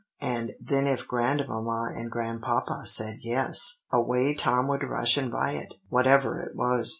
and then if Grandmamma and Grandpapa said 'Yes,' away Tom would rush and buy it, whatever it was.